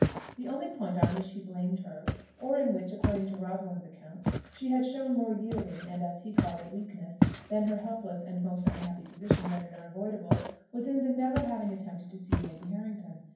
The only point on which he blamed her, or in which, according to Rosalind's account, she had shown more yielding, and, as he called it, weakness than her helpless and most unhappy position rendered unavoidable, was in the never having attempted to see Lady Harrington.